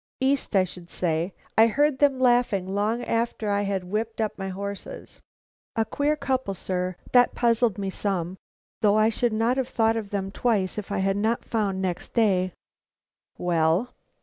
"East, I should say. I heard them laughing long after I had whipped up my horses. A queer couple, sir, that puzzled me some, though I should not have thought of them twice if I had not found next day " "Well?"